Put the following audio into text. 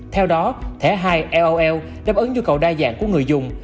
theo đó thẻ hai lol đáp ứng nhu cầu đa dạng của người dùng